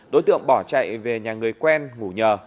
đối tượng bỏ chạy về nhà người quen ngủ nhờ